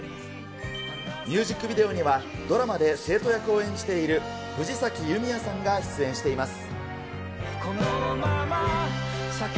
ミュージックビデオには、ドラマで生徒役を演じている藤崎ゆみあさんが出演しています。